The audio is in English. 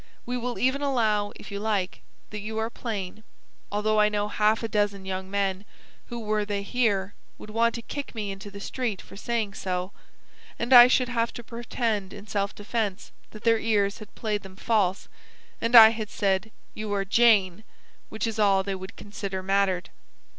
We will even allow, if you like, that you are plain, although I know half a dozen young men who, were they here, would want to kick me into the street for saying so, and I should have to pretend in self defence that their ears had played them false and I had said, 'You are JANE,' which is all they would consider mattered.